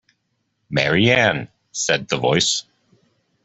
Mary Ann!’ said the voice.